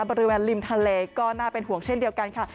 บริเวณริมทะเลก็น่าเป็นห่วงเช่นเดียวกันค่ะ